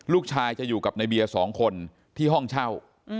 ลูกชายจะอยู่กับในเบียร์๒คนที่ห้องเช่า